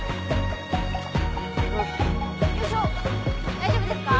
大丈夫ですか？